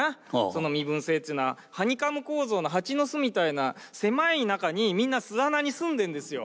その身分制っていうのはハニカム構造の蜂の巣みたいな狭い中にみんな巣穴に住んでんですよ。